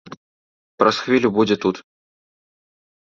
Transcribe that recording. Праз хвілю будзе тут!